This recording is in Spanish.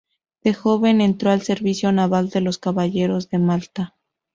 De joven entró al servicio naval de los Caballeros de Malta.